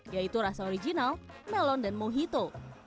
yaitu rasa original melon dan mohito